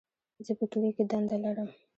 زه په کلي کي دنده لرم.